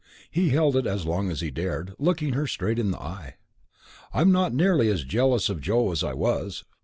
He held it as long as he dared, looking her straight in the eye. "I'm not nearly as jealous of Joe as I was!"